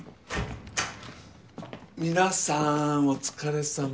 皆さんお疲れさま。